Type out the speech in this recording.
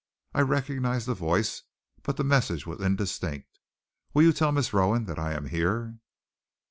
I recognized the voice, but the message was indistinct. Will you tell Miss Rowan that I am here?"